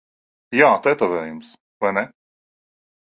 Jā, tetovējums. Vai ne?